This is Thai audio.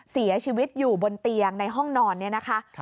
เสียชีวิตอยู่บนเตียงในห้องนอนเนี่ยนะคะ